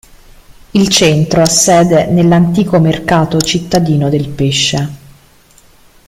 Il Centro ha sede nell’antico mercato cittadino del pesce.